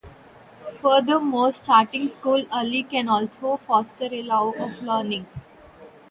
Furthermore, starting school early can also foster a love of learning.